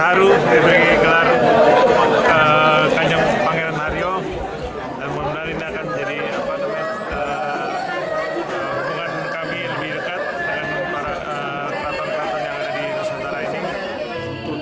dan mungkin ini akan menjadi hubungan kami lebih dekat dengan para kata kata yang ada di nusantara ini